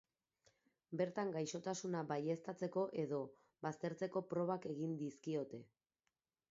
Bertan gaixotasuna baieztatzeko edo baztertzeko probak egin dizkiote.